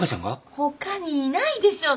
他にいないでしょ！